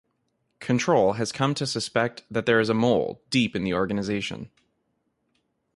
Control has come to suspect that there is a mole deep in the organization.